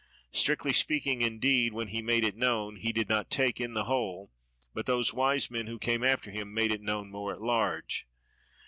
Strictly speaking indeed, he when he made it known did not take in the whole, but those wise men who came after him made it known more at large.